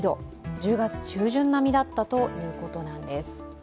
１０月中旬並みだったということなんです。